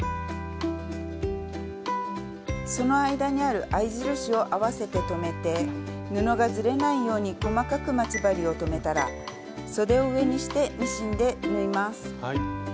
その間にある合い印を合わせて留めて布がずれないように細かく待ち針を留めたらそでを上にしてミシンで縫います。